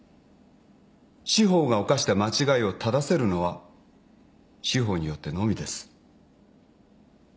司法が犯した間違いを正せるのは司法によってのみです。